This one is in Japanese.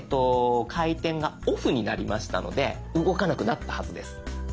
回転が「ＯＦＦ」になりましたので動かなくなったはずです。